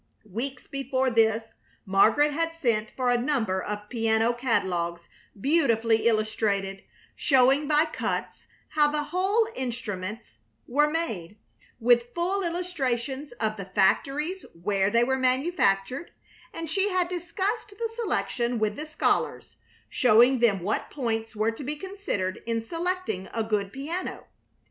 Weeks before this Margaret had sent for a number of piano catalogues beautifully illustrated, showing by cuts how the whole instruments were made, with full illustrations of the factories where they were manufactured, and she had discussed the selection with the scholars, showing them what points were to be considered in selecting a good piano.